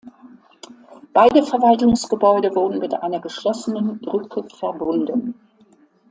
Beide Verwaltungsgebäude wurden mit einer geschlossenen Brücke verbunden.